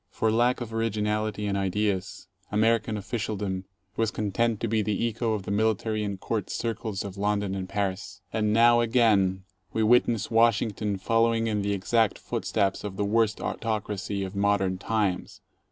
For lack of originality and ideas, American official dom was content to be the echo of the military and court circles of London and Paris. And now again we witness Washington fol lowing in the exact footsteps of the worst autocracy of modern times.